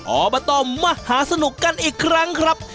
อบตมหาสนุกกันอีกครั้งครับ